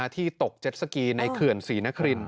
ที่ตกเจ็ดสกีในเขื่อนศรีนคริน